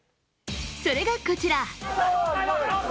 それがこちら。